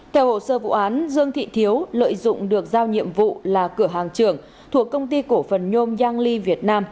theo hồ sơ vụ án dương thị thiếu lợi dụng được giao nhiệm vụ là cửa hàng trường thuộc công ty cổ phần nhôm yangli việt nam